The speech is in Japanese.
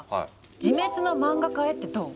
「自滅の漫画家へ」ってどう？